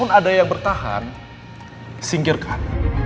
walaupun ada yang bertahan singkirkan